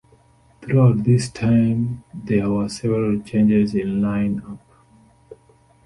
Throughout this time there were several changes in line-up.